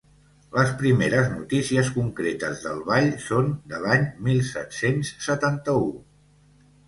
Les primeres notícies concretes del ball són de l'any mil set-cents setanta-u.